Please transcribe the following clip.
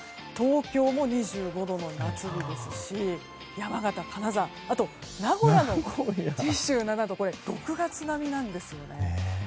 東京も２５度の夏日ですし山形、金沢、名古屋も次週は６月並みなんです。